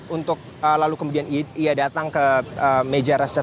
untuk lalu kemudian ia datang ke meja resepconis